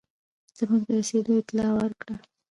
زموږ د رسېدلو اطلاع ورکړه.